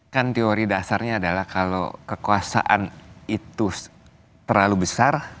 kan teori dasarnya adalah kalau kekuasaan itu terlalu besar